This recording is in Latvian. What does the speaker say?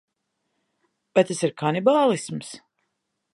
Vai tas ir kanibālisms?